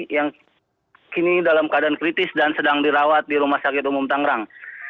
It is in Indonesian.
yang kini dalam keadaan kritis dan sedang dirawat di rumah sakit umum tangerang